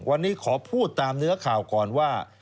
วันนี้ขอพูดตามเนื้อข่าวก่อนว่า